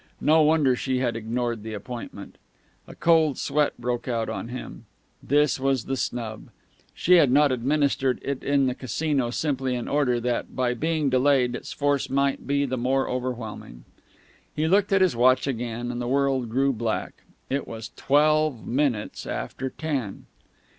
No wonder she had ignored the appointment. A cold sweat broke out on him. This was the snub! She had not administered it in the Casino simply in order that, by being delayed, its force might be the more overwhelming. He looked at his watch again, and the world grew black. It was twelve minutes after ten.